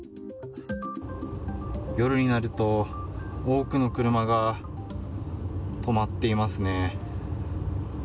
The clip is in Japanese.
夜になると、多くの車が止まっていますね。